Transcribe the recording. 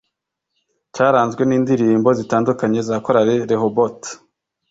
cyaranzwe n’indirimbo zitandukanye za Korali Rehoboth